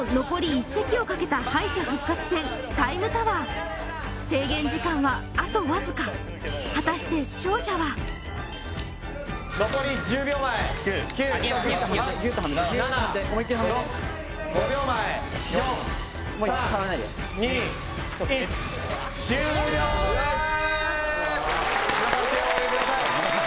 １席をかけた敗者復活戦タイムタワー制限時間はあとわずか果たして勝者は残り１０秒前９８７６５秒前４３２１終了です！